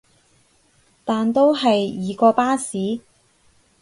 但都係易過巴士